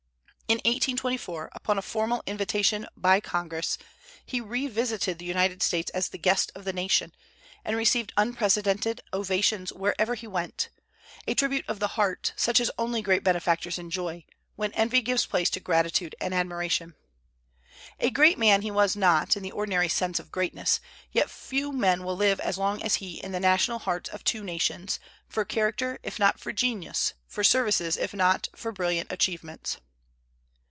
In 1824, upon a formal invitation by Congress, he revisited the United States as the guest of the nation, and received unprecedented ovations wherever he went, a tribute of the heart, such as only great benefactors enjoy, when envy gives place to gratitude and admiration. A great man he was not, in the ordinary sense of greatness; yet few men will live as long as he in the national hearts of two nations, for character if not for genius, for services if not for brilliant achievements.